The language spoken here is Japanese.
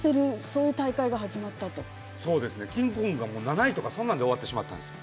キングコングが７位とか、そんなんで終わってしまったんです。